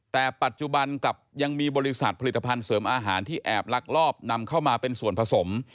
แต่ปัจจุบันกลับยังมีบริษัทผลิตภัณฑ์เสริมอาหารที่แอบลักลอบนำเข้ามาเป็นส่วนผสม